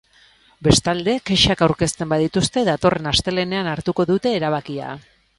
Bestalde, kexak aurkezten badituzte datorren astelehenean hartuko dute erabakia.